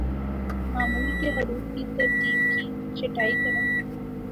معمول کے حروف کی ترتیب کی چھٹائی کریں